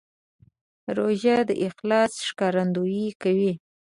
روژه د اخلاص ښکارندویي کوي.